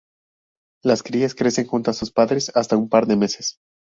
Las crías crecen junto a sus padres hasta un par de meses.